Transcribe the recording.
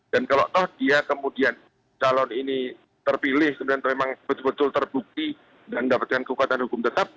dan kalau toh dia kemudian calon ini terpilih kemudian memang betul betul terbukti dan mendapatkan kekuatan hukum tetap